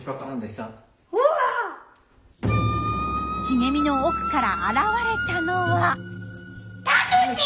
茂みの奥から現れたのは。